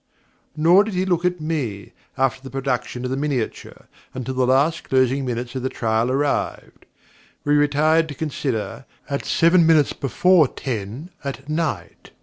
Nor did he look at me, after the production of the miniature, until the last closing minutes of the trial arrived. We retired to consider, at seven minutes before ten at night.